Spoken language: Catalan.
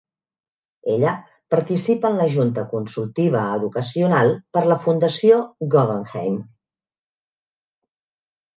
Ella participa en la Junta Consultiva educacional per la Fundació Guggenheim.